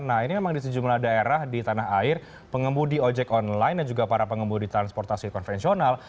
nah ini memang di sejumlah daerah di tanah air pengemudi ojek online dan juga para pengemudi transportasi konvensional